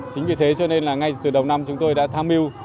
chính vì thế cho nên là ngay từ đầu năm chúng tôi đã tham mưu